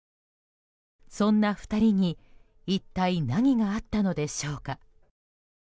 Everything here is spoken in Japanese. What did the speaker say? そんな２人に一体何があったのでしょうか。